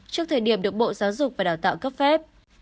trước thời điểm được bộ giáo dục và đào tạo cấp phép